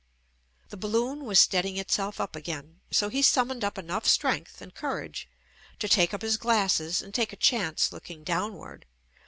The balloon was steadying itself up again, so he summoned up enough strength and courage to take up his glasses and take a chance looking downward.